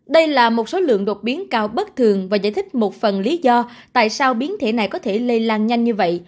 đây là một số lượng đột biến cao bất thường và giải thích một phần lý do tại sao biến thể này có thể lây lan nhanh như vậy